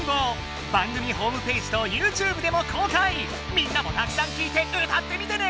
みんなもたくさんきいて歌ってみてね！